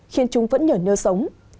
khiến chúng vẫn nhởn nhơ sống